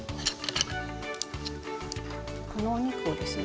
このお肉をですね